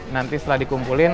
nanti setelah dikumpulin